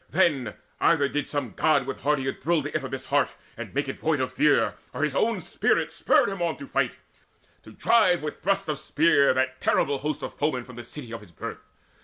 Then either did some God with hardihood thrill Deiphobus' heart, and made it void of fear, Or his own spirit spurred him on to fight, To drive by thrust of spear that terrible host Of foemen from the city of his birth.